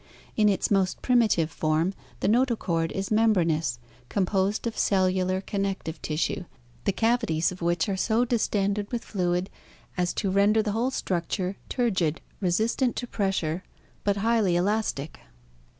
In its most primitive form the notochord is membranous, composed of cellular connective tissue, the cavities of which are so distended with fluid as to render the whole structure turgid, resistant to pressure, but highly elastic.